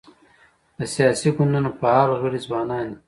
د سیاسي ګوندونو فعال غړي ځوانان دي.